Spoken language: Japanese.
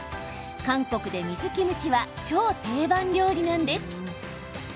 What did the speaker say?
韓国で水キムチは超定番料理なんです。